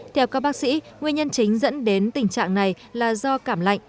theo các bác sĩ nguyên nhân chính dẫn đến tình trạng này là do cảm lạnh